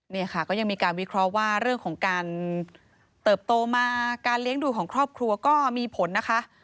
นี่ค่ะก็ยังมีการวิเคราะห์ว่าเรื่องของการเติบโตมาการเลี้ยงดูของครอบครัวก็มีผลนะคะ